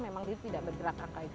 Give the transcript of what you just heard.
memang dia tidak bergerak angka itu